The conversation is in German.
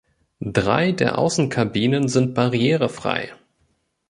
Drei der Außenkabinen sind barrierefrei.